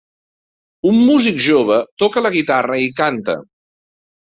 Un músic jove toca la guitarra i canta.